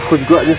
aku juga nyesel